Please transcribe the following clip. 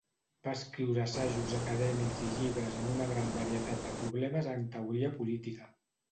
Va escriure assajos acadèmics i llibres en una gran varietat de problemes en teoria política.